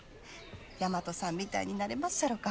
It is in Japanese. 大和さんみたいになれまっしゃろか？